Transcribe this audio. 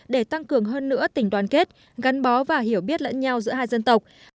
để tăng cường hơn nữa tình đoàn kết gắn bó và hiểu biết lẫn nhau giữa hai dân tộc